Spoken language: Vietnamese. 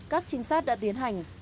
các trinh sát đã tiến hành